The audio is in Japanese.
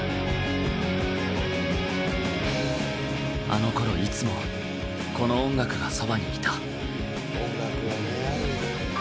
あのころいつもこの音楽がそばにいた。